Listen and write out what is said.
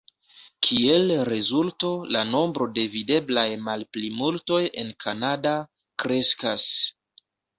Kiel rezulto la nombro de videblaj malplimultoj en Kanada kreskas.